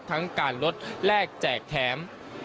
ทั้งการลดแลกแจกแถม